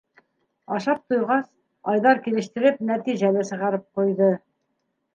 Ашап туйғас, Айҙар килештереп нәтижә лә сығарып ҡуйҙы: